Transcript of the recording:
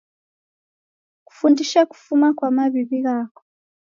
Kufundishe kufuma kwa mawiwi ghako.